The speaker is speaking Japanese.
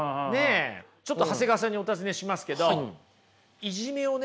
ちょっと長谷川さんにお尋ねしますけどいじめをね